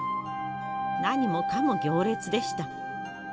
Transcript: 何もかも行列でした。